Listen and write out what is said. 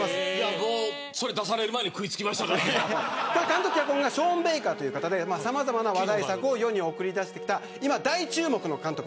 もう、それ出される前に監督、脚本はショーン・ベイカーという方でさまざまな話題作を世に送り出してきた今、大注目の監督。